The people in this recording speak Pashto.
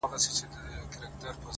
هڅاند زړونه ژر نه ماتیږي؛